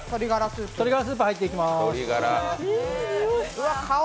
鶏ガラスープ入っていきます。